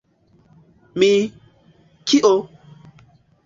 Mi... kio?